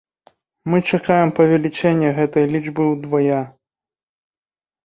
Мы чакаем павелічэння гэтай лічбы ўдвая.